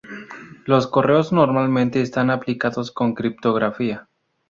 Los correos normalmente están aplicados con criptografía.